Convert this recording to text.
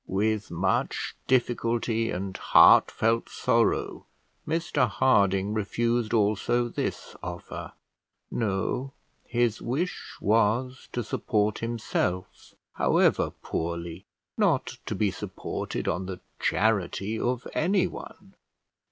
With much difficulty and heartfelt sorrow, Mr Harding refused also this offer. No; his wish was to support himself, however poorly, not to be supported on the charity of anyone.